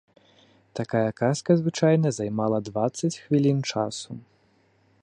Такая казка звычайна займала дваццаць хвілін часу.